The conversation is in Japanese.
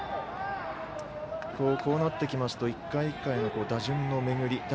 こうなってきますと１回１回の打順の巡り